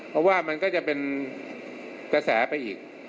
เพราะว่ามันก็จะเป็นกระแสไปอีก